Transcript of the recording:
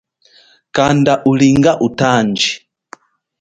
Kanda ulinga utanji.